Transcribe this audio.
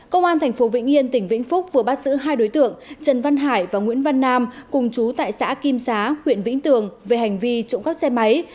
công an tp vĩnh yên tỉnh vĩnh phúc vừa bắt giữ hai đối tượng trần văn hải và nguyễn văn nam cùng chú tại xã kim xá huyện vĩnh tường về hành vi trộm cắp xe máy